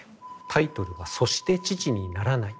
タイトルは「そして父にならない」。